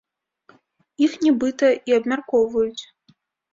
Іх, нібыта, і абмяркоўваюць.